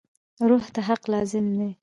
روح ته حق لازم دی.